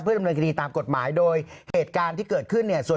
เพื่อดำเนินคณีตามกดหมายโดยรังงานไกล